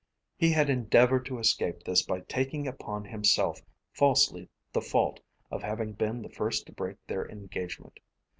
He had endeavoured to escape this by taking upon himself falsely the fault of having been the first to break their engagement.